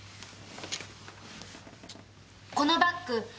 このバッグ